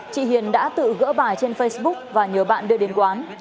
chị hiền đã tự gỡ bài trên facebook và nhờ bạn đưa đến quán